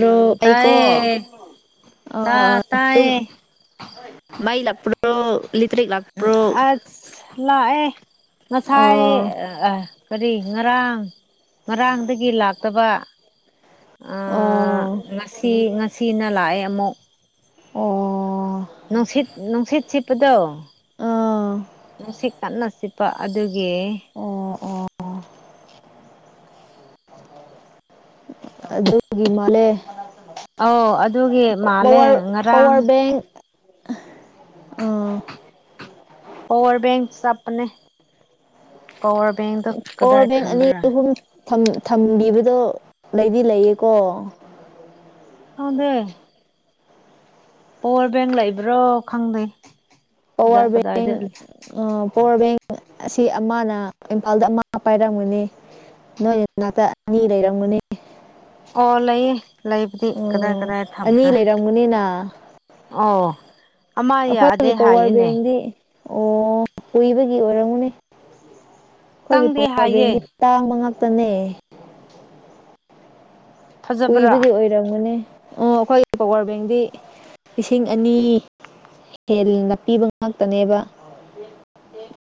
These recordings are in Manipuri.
꯭ꯔꯣ ꯀꯩꯀꯣ ꯇꯥꯏꯌꯦ ꯑ ꯇꯥ ꯇ ꯇꯥꯏꯌꯦ ꯃꯩꯂꯄꯨ ꯣ ꯂꯤꯇ꯭ꯔꯦ ꯎꯝ ꯑꯠ ꯂꯥꯛ ꯑꯦ ꯉꯁꯥꯏ ꯑꯣ ꯑ ꯀꯔꯤ ꯉꯔꯥꯡ ꯉꯔꯥꯡꯗꯒꯤ ꯂꯥꯛꯇꯕ ꯑꯣ ꯉꯁꯤ ꯉꯁꯤꯅ ꯂꯥꯛꯑꯦ ꯑꯃꯨꯛ ꯑꯣ ꯅꯨꯡꯁꯤꯠ ꯅꯨꯡꯁꯤꯠ ꯆꯠꯄꯗꯣ ꯑꯣ ꯅꯨꯡꯁꯤꯠ ꯀꯅ ꯆꯠꯄ ꯑꯗꯨꯒꯤ ꯑꯣ ꯑꯣ ꯑꯗꯨꯒꯤ ꯃꯥꯂꯦ ꯑꯧ ꯑꯗꯨꯒꯤ ꯃꯥꯜꯂꯦ ꯄꯋꯥꯔ ꯉꯔꯥꯡ ꯄꯋꯥꯔ ꯕꯦꯡ ꯑꯥ ꯄꯋꯥꯔ ꯕꯦꯡ ꯆꯞꯄꯅꯦ ꯄꯋꯥꯔ ꯕꯦꯡꯗꯣ ꯄꯋꯥꯔ ꯀꯗꯥꯏ ꯕꯦꯡ ꯑꯅꯤ ꯊꯝꯕ꯭ꯔꯥ ꯑꯍꯨꯝ ꯊꯝꯕꯤꯕꯗꯣ ꯂꯩꯗꯤ ꯂꯩꯌꯦꯀꯣ ꯈꯪꯗꯦ ꯄꯋꯥꯔ ꯕꯦꯡ ꯂꯩꯕ꯭ꯔꯣ ꯈꯪꯗꯦ ꯀꯗꯥꯏ ꯄꯋꯥꯔ ꯕꯦꯛ ꯀꯗꯥꯏꯗ ꯄꯋꯥꯔ ꯕꯦꯡ ꯑꯁꯤ ꯑꯃꯅ ꯏꯝꯐꯥꯜꯗ ꯑꯃ ꯄꯥꯏꯔꯝꯒꯅꯤ ꯅꯣꯏ ꯅꯥꯇꯛ ꯑꯅꯤ ꯂꯩꯔꯝꯒꯅꯤ ꯑꯣ ꯂꯩꯌꯦ ꯂꯩꯕꯨꯗꯤ ꯀꯗꯥꯏ ꯀꯗꯥꯏ ꯊꯝ ꯃꯤ ꯂꯩꯔꯝꯒꯅꯤꯅ ꯑꯣ ꯑꯃ ꯑꯩꯈꯣꯏꯒꯤ ꯌꯥꯗꯦ ꯄꯋꯥꯔ ꯍꯥꯏꯌꯦꯅꯦ ꯕꯦꯡꯗꯤ ꯑꯣ ꯀꯣꯏꯏꯕꯒꯤ ꯑꯣꯏꯔꯝꯃꯨꯅꯦ ꯑꯩꯈꯣꯏꯒꯤ ꯆꯪꯗꯦ ꯄꯋꯥꯔ ꯕꯦꯡꯒꯤ ꯍꯥꯏꯌꯦ ꯇꯥꯡꯕ ꯉꯥꯛꯇꯅꯦ ꯐꯖꯕ꯭ꯔꯥ ꯀꯨꯏꯕꯗꯤ ꯑꯣꯏꯔꯝꯒꯅꯤ ꯑꯣ ꯑꯩꯈꯣꯏꯒꯤ ꯄꯋꯥꯔ ꯕꯦꯡꯗꯤ ꯂꯤꯁꯤꯡ ꯑꯅꯤ ꯍꯦꯟꯅ ꯄꯤꯕ ꯉꯥꯛꯇꯅꯦꯕ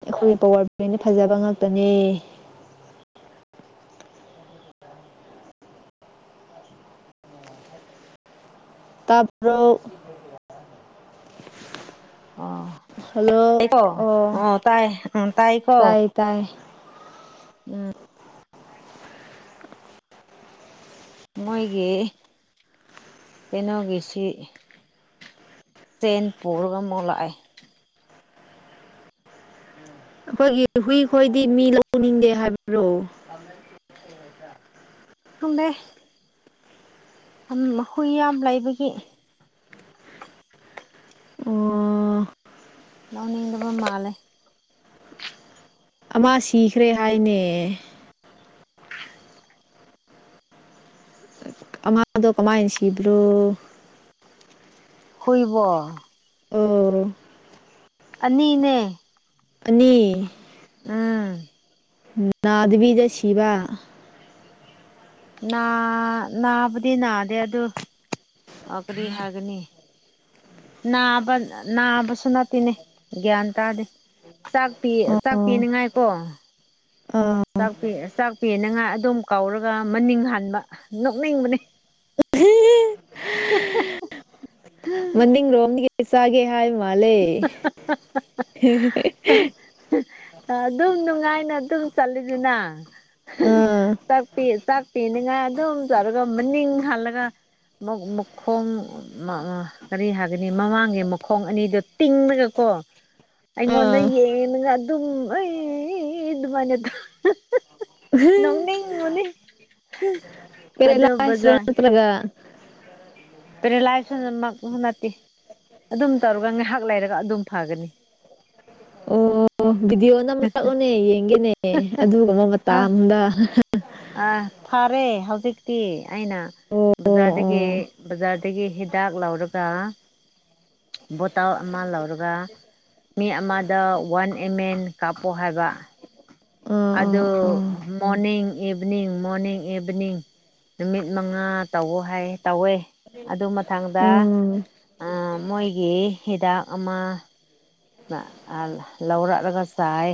ꯑꯩꯈꯣꯏꯒꯤ ꯄꯋꯥꯔ ꯕꯦꯡꯗꯤ ꯐꯖꯕ ꯉꯥꯛꯇꯅꯦ ꯇꯥꯕꯔꯣ ꯑꯣ ꯍꯜꯂꯣ ꯇꯥꯏꯀꯣ ꯑꯣ ꯇꯥꯏ ꯎꯝ ꯇꯥꯏꯀꯣ ꯇꯥꯏ ꯇꯥꯏ ꯎꯝ ꯃꯣꯏꯒꯤ ꯀꯩꯅꯣꯒꯤꯁꯤ ꯆꯦꯟ ꯄꯔꯒ ꯃ ꯑꯣꯂꯛꯥꯏ ꯑꯩꯈꯣꯏꯒꯤ ꯍꯨꯏꯈꯣꯏꯗꯤ ꯃꯤ ꯂꯧꯅꯤꯡꯗꯦ ꯍꯥꯏꯕ꯭ꯔꯣ [unintelligible] [unintelligible] ꯍꯨꯏ ꯌꯥꯝ ꯂꯩꯕꯒꯤ ꯑꯣ ꯅꯅꯤꯡꯅꯤꯡꯗꯕꯨꯝ ꯃꯥꯂꯦ ꯑꯃ ꯁꯤꯈ꯭ꯔꯦ ꯍꯥꯏꯅꯦ ꯑꯃꯥꯗꯣ ꯀꯃꯥꯏ ꯁꯤꯕ꯭ꯔꯣ? ꯍꯨꯏꯕꯣ ꯑꯣ___ ꯑꯅꯤꯅꯦ ꯑꯅꯤ ꯎꯝ ꯅꯥꯗꯕꯤꯗ ꯁꯤꯕ ꯅꯥ ꯅꯥꯕꯗꯤ ꯅꯥꯗꯦ ꯑꯗꯨ ꯀꯔꯤ ꯍꯥꯏꯒꯅꯤ ꯅꯥꯕ ꯅꯥꯕꯁꯨ ꯅꯠꯇꯦꯅꯦ ꯒ꯭ꯌꯥꯟ ꯇꯥꯗꯦ꯫ ꯆꯥꯛ ꯄꯤ ꯑꯣ ꯆꯥꯛ ꯑꯣ ꯄꯤꯅꯤꯉꯥꯏ ꯀꯣ ꯑꯥ ꯆꯥꯛꯄꯤ ꯆꯥꯛꯄꯤꯅꯉꯥꯏ ꯑꯗꯨꯝ ꯀꯧꯔꯒ ꯃꯅꯤꯡ ꯍꯟꯕ ꯅꯣꯛꯅꯤꯡꯕꯅꯦ ꯎꯝ [unintelligible] ꯑꯅꯤꯡ ꯔꯣꯝꯗꯤ ꯀꯩ ꯆꯥꯒꯦ ꯍꯥꯏꯕ ꯃꯥꯜꯂꯦ ꯑꯗꯨꯝ ꯅꯨꯡꯉꯥꯏꯅ ꯑꯗꯨꯝ ꯆꯠꯂꯤꯗꯅ ꯑꯥ ꯆꯥꯛ ꯆꯥꯛ ꯄꯤꯅꯤꯡꯉꯥꯏ ꯑꯗꯨꯝ ꯆꯥꯎꯧꯔꯒ ꯃꯅꯤꯡ ꯍꯥꯜꯂꯒ ꯃꯈꯣꯡ ꯀꯔꯤ ꯍꯥꯏꯒꯅꯤ ꯃꯃꯥꯡꯒꯤ ꯃꯈꯣꯡ ꯑꯅꯤꯗꯣ ꯇꯤꯡꯉꯒꯀꯣ ꯑꯩꯉꯣꯟꯗ ꯑꯥ ꯌꯦꯡꯉꯒ ꯑꯗꯨꯝ ꯑꯩ ꯑꯗꯨꯃꯥꯏꯅꯗꯣ ꯅꯣꯛꯅꯤꯡꯕꯅꯤ ꯀꯦꯔ ꯂ ꯑꯗꯨ ꯍꯥꯏꯁꯔꯣ ꯕꯖꯥꯔ ꯅꯠꯇ꯭ꯔꯒ [inaudible] ꯔꯤꯂꯥꯏꯖꯦꯟꯃꯛ ꯅꯠꯇꯦ ꯑꯗꯨꯝ ꯇꯧꯔꯒ ꯉꯥꯏꯍꯥꯛ ꯂꯩꯔꯒ ꯑꯗꯨꯝ ꯐꯒꯅꯤ꯫ ꯑꯣ__ ꯚꯤꯗꯤꯑꯣ ꯅꯝꯔꯛꯎꯅꯦ ꯌꯦꯡꯒꯦꯅꯦ ꯑꯗꯨꯒꯨꯝꯕ ꯍꯥ ꯃꯇꯥꯝꯗ꯫ ꯑ ꯐꯔꯦ ꯍꯧꯖꯤꯛꯇꯤ ꯑꯩꯅ ꯑꯣ ꯑꯣ ꯕꯖꯥꯔꯗꯒꯤ ꯑꯣ ꯕꯖꯥꯔꯗꯒꯤ ꯍꯤ ꯗꯥꯛ ꯂꯥꯎꯔꯒ꯫ ꯕꯣꯇꯥꯜ ꯑꯃ ꯂꯧꯔꯒ ꯃꯤ ꯑꯃꯗ ꯋꯥꯟ ꯑꯦꯝ ꯑꯦꯟ ꯀꯥꯞꯄꯣ ꯍꯥꯏꯕ꯫ ꯑꯥ ꯑꯥ ꯑꯗꯣ ꯑꯥ ꯃꯣꯔꯅꯤꯡ ꯏꯚꯅꯤꯡ ꯃꯣꯔꯅꯤꯡ ꯏꯚꯅꯤꯡ ꯅꯨꯃꯤꯠ ꯃꯉꯥ ꯇꯧꯋꯣ ꯍꯥꯏꯌ ꯇꯧꯋꯦ ꯑꯗꯨ ꯃꯊꯪꯗ__ ꯎꯝ ꯑ ꯃꯣꯏꯒꯤ ꯍꯤꯗꯥꯛ ꯑꯃ___ ꯂꯧꯔꯛꯂꯒ ꯆꯥꯏ꯫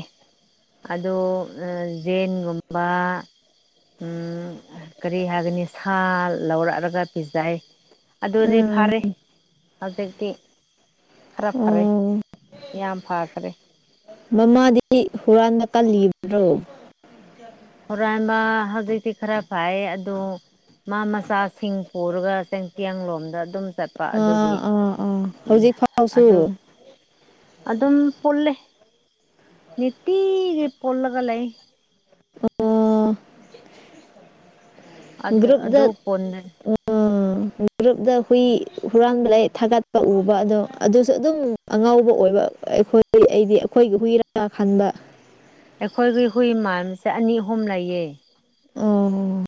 ꯑꯗꯣ ꯖꯦꯟꯒꯨꯝꯕ__ ꯎꯝ ꯀꯔꯤ ꯍꯥꯏꯒꯅꯤ ꯁꯥ ꯂꯧꯔꯛꯑꯒ ꯄꯤꯖꯩ꯫ ꯑꯗꯨꯗꯤ ꯐꯔꯦ ꯍꯧꯖꯤꯛꯇꯤ ꯈꯔ ꯐꯔꯦ ꯑꯣ ꯌꯥꯝ ꯐꯈꯔꯦ ꯃꯃꯥꯗꯤ ꯍꯨꯔꯥꯟꯕ ꯀꯜꯂꯤꯕ꯭ꯔꯣ? ꯍꯣꯔꯥꯟꯕ ꯍꯧꯖꯤꯛꯇꯤ ꯈꯔꯥꯄꯥꯏ ꯑꯗꯣ꯫ ꯃꯥ ꯃꯆꯥꯁꯤꯡ ꯄꯨꯔꯒ ꯆꯦꯡꯇꯌꯥꯡꯂꯣꯝꯗ ꯑꯗꯨꯝ ꯆꯠ___ ꯑꯥ ꯑꯥ ꯑꯥ ꯍꯧꯖꯤꯛ ꯐꯥꯎꯁꯨ꯫ ꯑꯗꯨ ꯑꯗꯨꯝ ꯄꯨꯜꯂꯦ ꯅꯤꯇꯤꯒꯤ ꯄꯨꯜꯂꯒ ꯂꯩ꯫ ꯑ [inaudible] ꯑꯗꯨ ꯑꯗꯨ ꯒ꯭ꯔꯨꯞꯨꯞꯗ ꯄꯨꯟꯅ [unintelligible] ꯎ [unintelligible] ꯒ꯭ꯔꯨꯞꯗ ꯍꯨꯏ ꯍꯨꯔꯥꯟꯕ ꯂꯩ ꯊꯥꯒꯠꯄ ꯎꯕ ꯑꯗꯣ ꯑꯗꯨꯁꯨ ꯑꯗꯨꯝ ꯑꯉꯧꯕ ꯑꯣꯏꯕ ꯑꯩꯈꯣꯏ ꯑꯩꯗꯤ ꯑꯩꯈꯣꯏꯒꯤ ꯍꯨꯏꯔꯥ ꯈꯟꯕ꯫ ꯑꯩꯈꯣꯏꯒꯤ ꯍꯨꯏ ꯃꯥꯟꯁꯦ ꯑꯅꯤ ꯑꯍꯨꯝ ꯂꯩꯌꯦ꯫ ꯑꯣ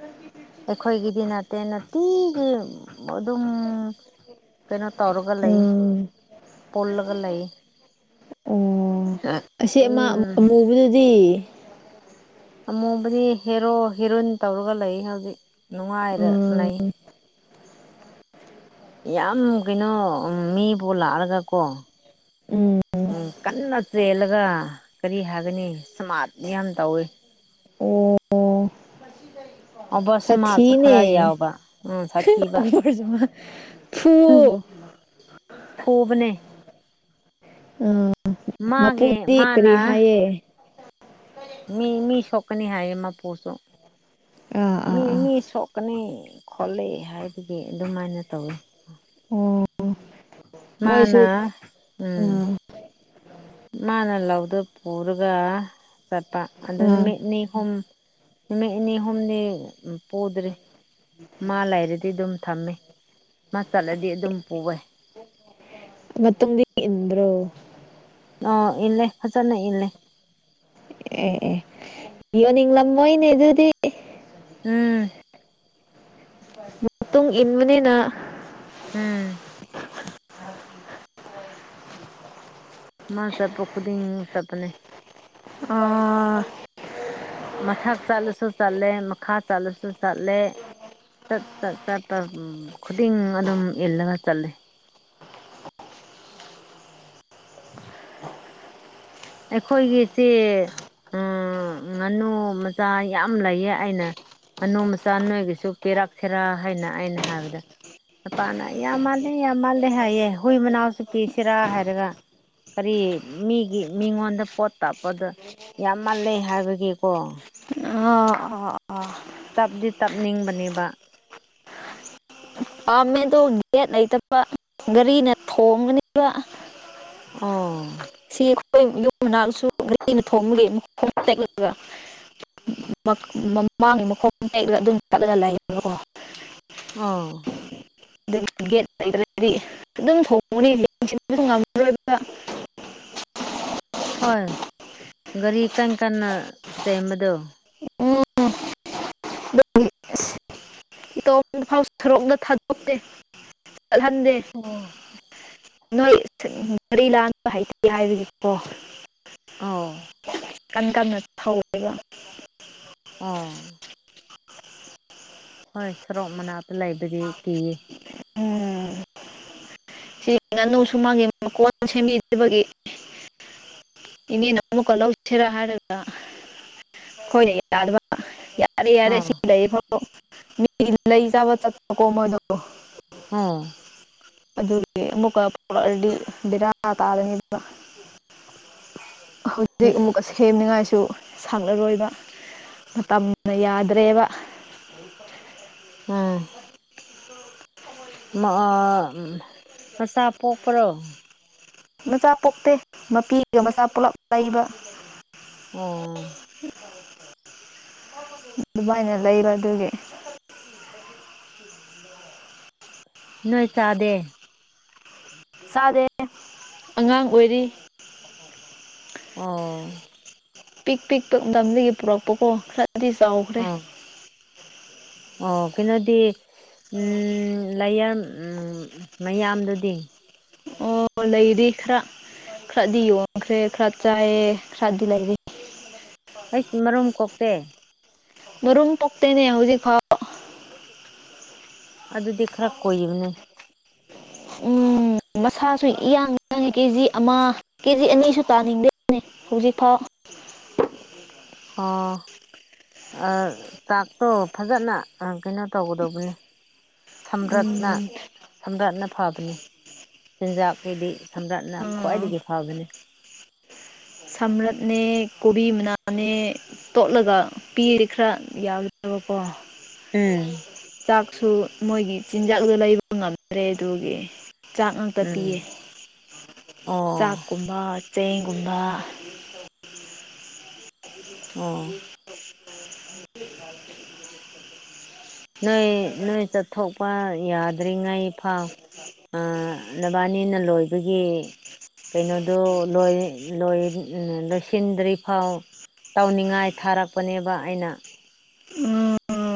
ꯎ ꯑꯩꯈꯣꯏꯒꯤꯗꯤ ꯅꯠꯇꯦ ꯅꯨꯇꯤꯒꯤ ꯑꯗꯨꯝ ꯀꯩꯅꯣ ꯇꯧꯔꯒ ꯂꯩ, ꯎꯝ ꯄꯨꯜꯂꯒ ꯂꯩ꯫ ꯑꯣ ꯑꯁꯤ ꯑꯃ ꯎꯝ ꯑꯃꯨꯕꯗꯨꯗꯤ ꯑꯃꯨꯕꯨꯗꯤ ꯍꯦꯔꯣ ꯍꯦꯔꯣꯏꯟ ꯇꯧꯔꯒ ꯂꯩ ꯍꯧꯖꯤꯛ ꯅꯨꯡꯉꯥꯏꯔ ꯎꯝ ꯂꯩ ꯌꯥꯝ ꯀꯩꯅꯣ ꯃꯤꯕꯨ ꯂꯥꯛꯑꯒꯀꯣ ꯎꯝ ꯎ ꯀꯟꯅ__ ꯆꯦꯜꯂꯒ ꯀꯔꯤ ꯍꯥꯏꯒꯅꯤ ꯁꯃꯥꯔꯠ ꯌꯥꯝ ꯇꯧꯋꯤ ꯑꯣꯕ ꯁꯃꯥꯔꯠꯁꯨ ꯈꯔ ꯌꯥꯎꯕ ꯁꯥꯊꯤꯅꯦ___ ꯎꯝ ꯁꯥꯊꯤꯕ ꯐꯨꯋꯣ꯫ ꯎꯝ ꯎ ꯐꯨꯕꯅꯦ ꯎꯝ ꯃꯥꯒꯤ ꯃꯄꯨꯗꯤ ꯀꯔꯤ ꯃꯥꯅ ꯍꯥꯏꯌꯦ꯫ ꯃꯤ ꯃꯤ ꯁꯣꯛꯀꯅꯤ ꯍꯥꯏꯌꯦ ꯃꯄꯨꯁꯨ ꯑꯥ ꯃꯤ ꯑꯥ ꯑꯥ ꯃꯤ ꯁꯣꯛ ꯀꯅꯤ ꯈꯣꯠꯂꯦ ꯍꯥꯏꯕꯗꯣ ꯑꯗꯨꯃꯥꯏꯅ ꯇꯧꯋꯦ꯫ ꯑꯣ ____ꯃꯥꯅꯥ ꯃꯣꯏꯁꯨ ꯎꯝ꯫ ꯑꯥ ꯃꯥꯅ ꯂꯧꯗꯨ ꯄꯨꯔꯒ ꯆꯠꯄ ꯑꯗꯨ ꯑꯥ ꯅꯨꯃꯤꯠ ꯅꯤ ꯍꯨꯝ ꯃꯤꯛꯅꯤ ꯍꯨꯝꯅꯤ ꯎꯝ꯫ ꯄꯨꯗ꯭ꯔꯤ ꯃꯥ ꯂꯩꯔꯗꯤ ꯑꯗꯨꯝ ꯊꯝꯃꯦ ꯃꯥ ꯆꯠꯂꯗꯤ ꯑꯗꯨꯝ ꯄꯨꯋꯦ꯫ ꯃꯇꯨꯡꯗꯤ ꯏꯟꯕ꯭ꯔꯣ꯫ ꯑꯣ! ꯏꯜꯂꯦ ꯍꯟꯗꯛꯅ ꯏꯜꯂꯦ꯫ ꯑꯦ ꯑꯦ ꯌꯣꯟꯅꯤꯡꯂꯝ ꯃꯣꯏꯅꯦ ꯑꯗꯨꯗꯤ꯫ ꯎꯝ ꯃꯇꯨꯡ ꯏꯟꯕꯅꯤꯅ꯫ ꯎꯝ ꯃꯥ ꯆꯠꯊꯣꯛ ꯈꯨꯗꯤꯡ ꯆꯠꯄꯅꯦ꯫ ꯑꯥ___ ꯃꯊꯛ ꯆꯠꯂꯁꯨ ꯆꯠꯂꯦ ꯃꯈꯥ ꯆꯠꯂꯁꯨ ꯆꯠꯂꯦ꯫ ꯆꯠ ꯆꯠ ꯆꯠꯄ ꯈꯨꯗꯤꯡ ꯑꯗꯨꯝ ꯏꯜꯂꯒ ꯆꯠꯂꯤ ꯑꯩꯈꯣꯏꯒꯤꯁꯦ ꯉꯥꯅꯨ ꯃꯆꯥ ꯌꯥꯝ ꯂꯩꯌꯦ ꯑꯩꯅ ꯉꯥꯅꯨ ꯃꯆꯥ ꯅꯣꯏꯒꯤꯁꯨ ꯄꯤꯔꯛꯁꯤꯔꯥ ꯍꯥꯏꯅ ꯑꯩꯅ ꯍꯥꯏꯕꯗ ꯅꯨꯄꯥꯅ ꯌꯥꯝ ꯃꯥꯜꯂꯦ ꯌꯥꯝ ꯃꯥꯜꯂꯦ ꯍꯥꯏꯌꯦ ꯍꯨꯏ ꯃꯅꯥꯎꯁꯨ ꯄꯤꯁꯤꯔꯥ ꯍꯥꯏꯔꯒ꯫ ꯀꯔꯤ ꯃꯤꯒꯤ ꯃꯤꯉꯣꯟꯗ ꯄꯣꯠ ꯇꯥꯞꯄꯗ ꯌꯥꯝ ꯃꯥꯜꯂꯦ ꯍꯥꯏꯕꯒꯤꯀꯣ꯫ ꯑ ꯑꯥ ꯑꯣꯥ ꯇꯞꯗꯤ ꯇꯞꯅꯤꯡꯕꯅꯦꯕ꯫ ꯑꯥ ꯃꯦꯗꯣ ꯒꯦꯠ ꯂꯩꯇꯕ ꯒꯥꯔꯤꯅ ꯊꯣꯝꯒꯅꯦꯕ꯫ ꯑꯣ ꯁꯤ ꯑꯩꯈꯣꯏ ꯌꯨꯝ ꯃꯅꯥꯛꯁꯨ ꯒꯥꯔꯤꯅ ꯊꯣꯡꯝꯂꯨꯔꯦ ꯃꯈꯣꯡ ꯇꯦꯛꯂꯒ ꯃꯃꯥꯡꯒꯤ ꯃꯈꯣꯡ ꯇꯦꯛ ꯑꯗꯨꯝ ꯆꯠꯂꯒ ꯂꯩꯌꯦꯕꯀꯣ ꯑꯣ ꯑꯗꯒꯤꯒꯦ ꯂꯩ꯭ꯔꯗꯤ ꯑꯗꯨꯝ ꯊꯣꯡꯉꯅꯤ ꯉꯝꯃꯣꯏ ꯍꯣꯏ ꯒꯥꯔꯤ ꯀꯔ ꯀꯟꯅ ꯁꯦꯝꯕꯗꯣ ꯎꯝ ____ ꯊꯥꯗꯣꯛꯇꯦ ꯆꯠꯍꯟꯗꯦ [unintelligible] ꯑꯣ ꯅꯣꯏ ꯃꯔꯤ ꯂꯥꯟꯥꯟꯕ ꯍꯩꯇꯦ ꯍꯥꯏꯕꯒꯤꯀꯣ ꯑꯥꯎ ꯀꯟ ꯀꯟꯅ ꯊꯧꯋꯦꯕ ꯑꯣ ꯍꯣꯏ ꯁꯔꯣꯛ ꯃꯅꯥꯛꯇ ꯂꯩꯗꯨꯗꯤ ꯀꯤꯌꯦ ꯎꯝ ꯁꯤ ꯉꯥꯅꯨꯁꯨ ꯃꯥꯒꯤ ꯃꯀꯣꯟ ꯁꯦꯝꯕꯤꯗꯕꯒꯤ ꯏꯅꯦꯅ ꯄꯨꯀ ꯂꯧꯁꯤꯔ ꯍꯥꯔꯒ [unintelligible] ꯌꯥꯔꯦ ꯌꯥꯔꯦ ꯑꯧ ꯁꯤ ꯂꯩꯌꯦ ꯃꯤꯒꯤ ꯂꯩ ꯆꯥꯕ ꯆꯠꯄꯀꯣ ꯃꯣꯏꯗꯣ ꯑꯣ ꯑꯗꯨꯒꯤ ꯑꯃꯨꯛꯀ ꯄꯣꯛꯂꯛꯔꯗꯤ ꯕꯤꯔꯥꯅꯥ ꯇꯥꯗꯅꯤ ꯑꯗꯨꯅ ꯍꯣꯏ ꯍꯧꯖꯤꯛ ꯑꯃꯨꯛ ꯑ ꯁꯦꯝꯅꯤꯡꯉꯥꯏꯁꯨ ꯁꯡꯅꯔꯣꯏꯕ ꯃꯇꯝꯅ ꯌꯥꯗ꯭ꯔꯦꯕ [unintelligible] ꯎꯝ ꯑꯥ ꯃꯆꯥ ꯄꯣꯛꯄ꯭ꯔꯣ ꯃꯆꯥ ꯄꯣꯛꯇꯦ ꯃꯄꯤꯒ ꯃꯆꯥ ꯄꯨꯜꯂꯞ ꯂꯩꯕ ꯑꯣ ꯗꯨꯕꯥꯏꯅ ꯂꯩꯕ ꯑꯗꯨꯒꯤ ꯅꯣꯏ ꯇꯥꯗꯦ ꯆꯥꯗꯦ ꯑꯉꯥꯡ ꯑꯣꯏꯔꯤ ꯑꯣ ꯄꯤꯛ ꯄꯤꯛꯄ ꯃꯇꯝꯗꯒꯤ ꯄꯨꯔꯛꯄꯀꯣ ꯈꯔꯗꯤ ꯆꯥꯎꯈ꯭ꯔꯦ ꯑꯣ ꯑꯣ ꯀꯩꯅꯣꯗꯤ ꯂꯥꯏꯌꯥꯡ ꯃꯌꯥꯝꯗꯨꯗꯤ ꯑꯣ ꯂꯩꯔꯤ ꯈꯔ ꯈꯔꯗꯤ ꯌꯣꯟꯈ꯭ꯔꯦ ꯈꯔ ꯆꯥꯏꯑ ꯈꯔꯗꯤ ꯂꯩꯔꯤ ꯑꯩ ꯃꯔꯨꯝ ꯀꯣꯛꯇꯦ ꯌꯦꯔꯨꯝ ꯀꯣꯛꯇꯦꯅꯦ ꯍꯧꯖꯤꯛꯐꯥꯎ ꯑꯗꯨꯗꯤ ꯈꯔ ꯀꯣꯏꯕꯅꯦ ꯎꯝ ꯃꯁꯥꯁꯨ ꯏꯌꯥꯡ ꯆꯡꯉꯤ ꯀꯦꯖꯤ ꯑꯃ ꯀꯦꯖꯤ ꯑꯅꯤꯁꯨ ꯇꯥꯅꯤꯡꯗꯕꯅꯤ ꯍꯧꯖꯤꯛꯐꯥꯎ ꯑꯣ ꯆꯥꯛꯇꯣ ꯐꯖꯅ ꯀꯩꯅꯣ ꯇꯧꯒꯗꯧꯕꯅꯤ ꯁꯝ꯭ꯔꯠꯅ ꯎꯝ ꯁꯝ꯭ꯔꯠꯅ ꯐꯕꯅꯤ ꯆꯤꯟꯖꯥꯛꯀꯤꯗꯤ ꯁꯝ꯭ꯔꯥꯠꯅ ꯑꯥ ꯈ꯭ꯋꯥꯏꯗꯒꯤ ꯐꯕꯅꯤ ꯁꯝꯔꯠꯅꯦ ꯀꯣꯕꯤ ꯃꯅꯥꯅꯦ ꯇꯣꯠꯂꯒ ꯄꯤꯌꯦ ꯈꯔ ꯌꯥꯝꯗꯕꯀꯣ ꯎꯝ ꯆꯥꯛꯁꯨ ꯃꯣꯏꯒꯤ ꯆꯤꯟꯖꯥꯛꯂ ꯂꯩꯕ ꯉꯝꯗ꯭ꯔꯦ ꯑꯗꯨꯒꯤ ꯆꯥꯛ ꯉꯥꯛꯇ ꯎꯝ ꯄꯤꯌꯦ ꯑꯣ ꯆꯥꯛꯀꯨꯝꯕ ꯆꯦꯡꯒꯨꯝꯕ ꯑꯣ [inaudible] ꯅꯣꯏ ꯅꯣꯏ ꯆꯠꯊꯣꯛꯄ ꯌꯥꯗ꯭ꯔꯤꯉꯩ ꯐꯥꯎ ꯅꯕꯥꯅꯤꯅ ꯂꯣꯏꯕꯒꯤ ꯀꯩꯅꯣꯗꯣ ꯂꯣꯏꯁꯤꯟꯗ꯭ꯔꯤ ꯐꯥꯎ ꯇꯧꯅꯤꯡꯉꯥꯏ ꯊꯥꯔꯛꯄꯅꯦꯕ ꯑꯩꯅ ꯎꯝ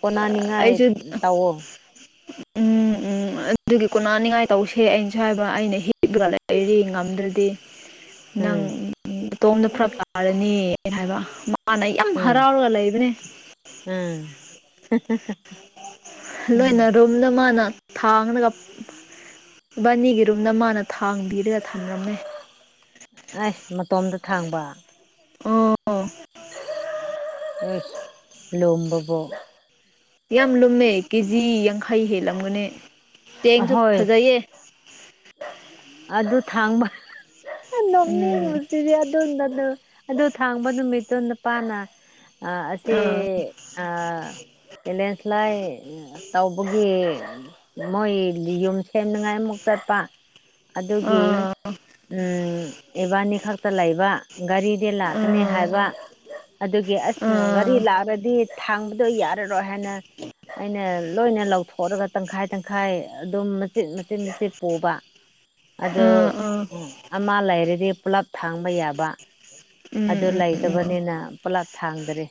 ꯀꯣꯟꯅꯅꯤꯡꯉꯥꯏ ꯑꯩꯁꯨ ꯇꯧꯑꯣ ꯎꯝ ꯎꯝ ꯑꯗꯨꯒꯤ ꯀꯣꯟꯅꯅꯤꯡꯉꯥꯏ ꯇꯧꯁꯦ ꯑꯩꯅꯁꯨ ꯍꯥꯏꯏꯕ ꯑꯩꯅ ꯍꯤꯞꯄꯒ ꯂꯩꯔꯤ ꯉꯝꯗ꯭ꯔꯗꯤ ꯅꯪ ꯎꯝ ꯑꯇꯣꯝꯗ ꯐꯔꯛ ꯇꯥꯔꯅꯤꯅ ꯍꯥꯏꯕ ꯍꯥꯟꯅꯩ ꯌꯥꯝ ꯎꯝ ꯍꯔꯥꯎꯔꯒ ꯂꯩꯕꯅꯦ ꯎꯝ ꯎꯝ ꯂꯣꯏꯅ ꯔꯨꯝꯗ ꯃꯥꯅ ꯊꯥꯡꯂꯒ ꯏꯕꯥꯅꯤꯒꯤ ꯔꯨꯝꯗ ꯃꯥꯅ ꯊꯥꯡꯕꯤꯔꯒ ꯊꯝꯔꯝꯃꯦ ꯑꯁ ꯃꯇꯣꯝꯗ ꯊꯥꯡꯕ ꯑꯣ ꯂꯣꯝꯕꯕꯣ ꯌꯥꯝ ꯂꯨꯝꯃꯦ ꯀꯦꯖꯤ ꯌꯥꯡꯈꯩ ꯍꯦꯜꯂꯝꯒꯅꯤ ꯆꯦꯡꯁꯨ ꯑꯍꯣꯏ ꯐꯖꯩꯌꯦ ꯑꯗꯨ ꯊꯥꯡꯕ ꯎꯝ ꯅꯣꯛꯅꯤꯡꯕꯁꯤꯗꯤ [unintelligible] ꯑꯗꯨ ꯊꯥꯡꯕ ꯅꯨꯃꯤꯠꯇꯣ ꯅꯨꯄꯥꯅ ꯑꯥ ꯑꯁꯦ ꯑꯥ ꯂꯦꯟꯁ꯭ꯂꯥꯏ ꯇꯧꯕꯒꯤ ꯃꯣꯏ ꯌꯨꯝ ꯁꯦꯝꯅꯉꯥꯏꯃꯨꯛ ꯆꯠꯄ ꯑꯗꯨꯒꯤ ꯑꯥ ꯏꯕꯥꯅꯤ ꯈꯛꯇ ꯂꯩꯕ ꯒꯥꯔꯤ ꯗꯦ ꯂꯥꯛꯀꯅꯤ ꯑꯥ ꯍꯥꯏꯕ ꯑꯗꯨꯒꯤ ꯑꯁ ꯒꯔꯤ ꯑꯥ ꯂꯥꯛꯔꯗꯤ ꯊꯥꯡꯕꯗꯣ ꯌꯥꯔꯔꯣꯏ ꯍꯥꯏꯅ ꯑꯩꯅ ꯂꯣꯏꯅ ꯂꯧꯊꯣꯛꯑꯒ ꯇꯪꯈꯥꯏ ꯇꯪꯈꯥꯏ ꯑꯗꯨꯝ ꯃꯆꯦꯠ ꯃꯆꯦꯠ ꯃꯆꯦꯠ ꯄꯨꯕ ꯑꯗꯨ ꯑꯥ ꯑꯥ ꯑꯃ ꯂꯩꯔꯗꯤ ꯄꯨꯂꯞ ꯊꯥꯡꯕ ꯌꯥꯕ ꯎꯝ ꯑꯗꯨ ꯎꯝ ꯎꯝ ꯂꯩꯇꯕꯅꯤꯅ ꯄꯨꯂꯞ ꯊꯥꯡꯗꯔꯦ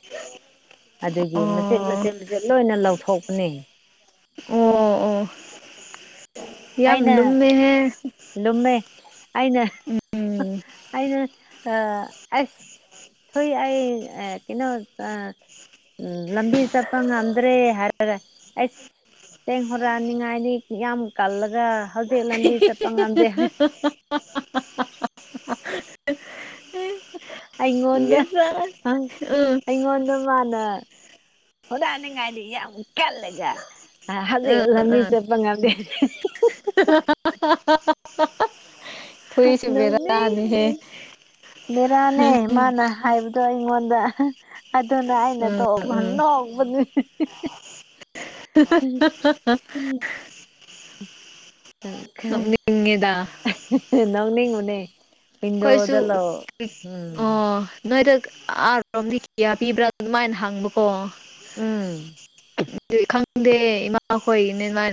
ꯑꯗꯨꯒꯤ ꯃꯆꯤꯠ ꯑꯣ ꯃꯆꯤꯠ ꯃꯆꯤꯠ ꯃꯆꯤꯠ ꯂꯣꯏꯅ ꯂꯧꯊꯣꯛꯄꯅꯦ ꯑꯣ ꯑꯣ ꯌꯥꯝ ꯑꯩꯅ ꯂꯨꯝꯃꯦꯍꯦ ꯂꯨꯝꯃꯦ ꯑꯩꯅ ꯎꯝ ꯑꯩꯅ ꯑꯁ ꯍꯣꯏ ꯑꯩ ꯑꯥ ꯀꯩꯅꯣ ꯑꯥ ꯎꯝ ꯂꯝꯕꯤ ꯆꯠꯄ ꯉꯝꯗ꯭ꯔꯦ ꯍꯥꯏꯔꯒ ꯆꯦꯡ ꯍꯨꯔꯥꯅꯤꯡꯉꯥꯏꯗꯤ ꯌꯥꯝ ꯀꯜꯂꯒ ꯍꯧꯖꯤꯛ ꯂꯝꯕꯤ ꯆꯠꯄ ꯉꯝꯗꯦ ꯑꯩꯉꯣꯟꯗ ꯑꯥꯡ ꯎꯝ ꯑꯩꯉꯣꯟꯗ ꯃꯥꯅ ꯍꯨꯔꯥꯟꯅꯤꯉꯥꯏꯗꯤ ꯌꯥꯝ ꯀꯥꯜꯂꯒ ꯍꯧꯖꯤꯛꯅ ꯎꯝ ꯂꯝꯕꯤ ꯎꯝ ꯆꯠꯄ ꯉꯝꯗꯦ [unintelligible] ꯅꯣꯛꯅꯤꯡ ꯕꯦꯔꯥꯅꯤꯍꯦ ꯃꯦꯔꯥꯅꯦ ꯃꯥꯅ ꯍꯥꯏꯕ ꯑꯗꯣ ꯑꯩꯉꯣꯟꯗ ꯑꯗꯨꯅ ꯑꯩꯅ ꯎꯝ ꯇꯣꯛꯂ ꯎꯝ ꯅꯣꯛꯕꯅꯤ [unintelligible] ꯎꯝ ꯅꯣꯛꯅꯤꯡꯉꯦꯗ ꯈꯔ ꯅꯣꯛꯅꯤꯉꯨꯅꯦ ꯑꯩꯈꯣꯏꯁꯨ ꯎꯝ ꯑꯣ ꯅꯣꯏꯗ ꯑꯥꯔꯣꯝꯗꯤ ꯀꯌꯥ ꯄꯤꯕ꯭ꯔꯥ ꯑꯗꯨꯃꯥꯏꯟ ꯍꯪꯕꯀꯣ ꯎꯝ ꯑꯗꯨ ꯈꯪꯗꯦ ꯏꯃꯥꯈꯣꯏꯒꯤꯅꯦꯃꯥꯏ